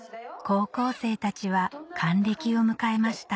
高校生たちは還暦を迎えました